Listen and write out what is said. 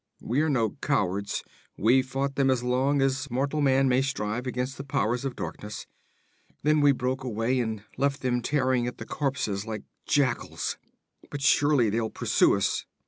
We are no cowards. We fought them as long as mortal man may strive against the powers of darkness. Then we broke away and left them tearing at the corpses like jackals. But surely they'll pursue us.'